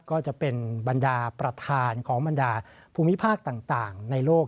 ก็จะเป็นบรรดาประธานของบรรดาภูมิภาคต่างในโลก